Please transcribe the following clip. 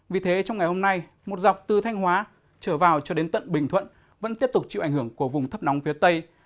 vì thế trong ngày hôm nay một dọc từ thanh hóa trở vào cho đến tận bình thuận vẫn tiếp tục chịu ảnh hưởng của vùng thấp nóng phía tây